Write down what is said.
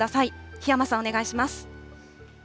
檜山さん、お願いします。